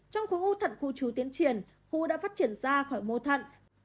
trong khu u thật khu trú tiến triển khu u đã phát triển ra khỏi mô thật